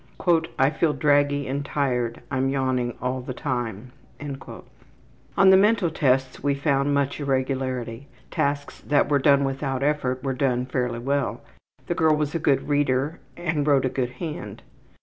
``I feel draggy and tired. I'm yawning all the time.'' On the mental tests we found much irregularity. Tasks that were done without effort were done fairly well. The girl was a good reader and wrote a good hand.